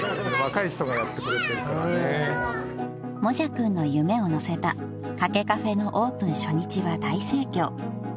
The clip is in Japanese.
［もじゃくんの夢を乗せたかけカフェのオープン初日は大盛況］